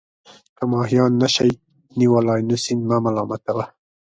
که ماهیان نه شئ نیولای نو سیند مه ملامتوه.